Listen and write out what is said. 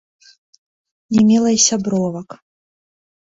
Не мела і сябровак.